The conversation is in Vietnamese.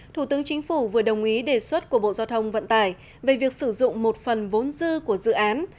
thủ tướng chính phủ vừa đồng ý đề xuất của bộ giao thông vận tải về việc sử dụng một phần vốn dư của dự án